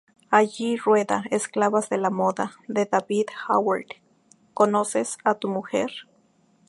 Allí rueda "Esclavas de la moda", de David Howard, "¿Conoces a tu mujer?